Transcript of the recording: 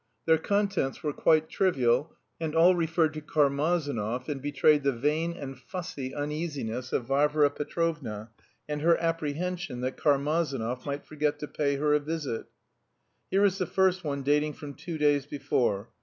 Their contents were quite trivial, and all referred to Karmazinov and betrayed the vain and fussy uneasiness of Varvara Petrovna and her apprehension that Karmazinov might forget to pay her a visit. Here is the first one dating from two days before.